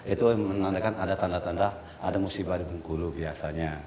itu menandakan ada tanda tanda ada musibah di bengkulu biasanya